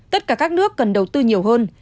tất cả các nước cần đầu tư nhiều hơn